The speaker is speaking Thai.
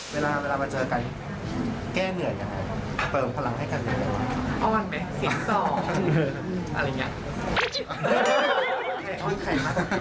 เวลามาเจอกันแก้เหนื่อยกันไง